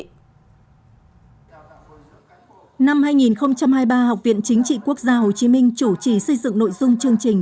năm hai nghìn hai mươi ba học viện chính trị quốc gia hồ chí minh chủ trì xây dựng nội dung chương trình